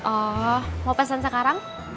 oh mau pesen sekarang